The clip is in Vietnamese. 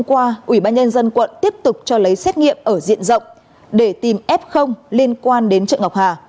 qua ubnd quận tiếp tục cho lấy xét nghiệm ở diện rộng để tìm f liên quan đến chợ ngọc hà